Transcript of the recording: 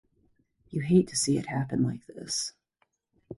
You hate to see it happen like this.